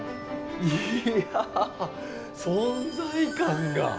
いや存在感が。